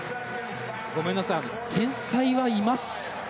ごめんなさい、天才はいます。